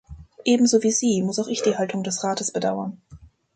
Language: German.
Ebenso wie Sie muss auch ich die Haltung des Rates bedauern.